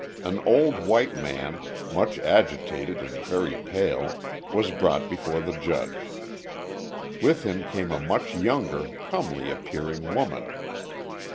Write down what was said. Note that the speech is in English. An old white man, much agitated and very pale, was brought before the judge. With him came a much younger, comely appearing woman.